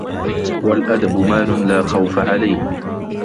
وَالْأَدَبُ مَالٌ لَا خَوْفَ عَلَيْهِ